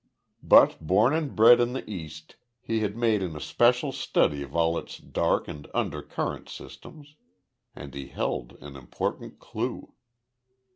But born and bred in the East, he had made an especial study of all its dark and undercurrent systems. And he held an important clue.